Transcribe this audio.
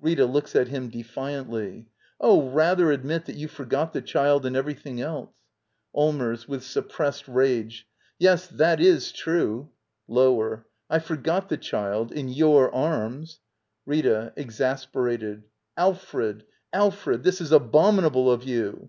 Rita. [Looks at him defiantly.] Oh, rather yy admit that you forgot the child and everything else. Allmers. [With suppressed rage.] Yes, that is ,/ true. [Lower.] I forgot the child — in your arms! Rita. [Exasperated.] Alfred! Alfred! This is abominable of you!